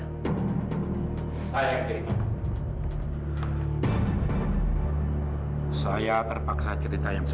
aku tahu kalau dia penuh memperkuasa sekretarisnya sendiri